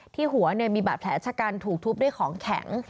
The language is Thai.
ที่หัวมีบาดแผลชะกันถูกทุบด้วยของแข็ง